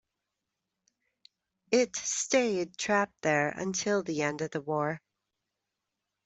It stayed trapped there until the end of the war.